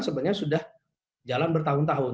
sebenarnya sudah jalan bertahun tahun